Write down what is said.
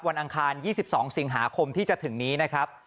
อังคาร๒๒สิงหาคมที่จะถึงนี้นะครับ